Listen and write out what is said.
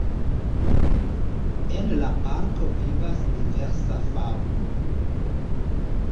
En la parko vivas diversa faŭno.